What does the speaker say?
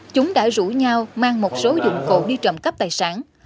chúng đã rủ nhau mang một số dụng cụ đi trộm cắp tài sản